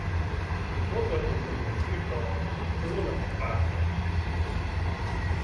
A forgatókönyvet írta Ol Parker.